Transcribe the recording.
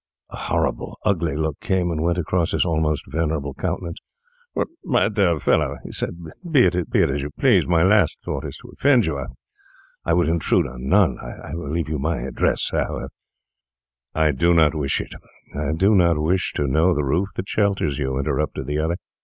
A horrible, ugly look came and went across his almost venerable countenance. 'My dear fellow,' he said, 'be it as you please; my last thought is to offend you. I would intrude on none. I will leave you my address, however—' 'I do not wish it—I do not wish to know the roof that shelters you,' interrupted the other.